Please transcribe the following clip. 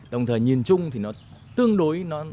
đồng thời nhìn chung thì nó tương đối